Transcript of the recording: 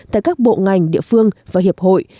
tại các bộ ngành địa phương và hiệp hội